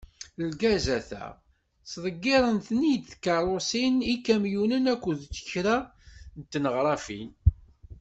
Lgazat-a, ttḍeggirent-ten-id tkerrusin, ikamyunen akked kra n tneɣrafin.